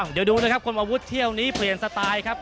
เดี๋ยวดูนะครับคนอาวุธเที่ยวนี้เปลี่ยนสไตล์ครับ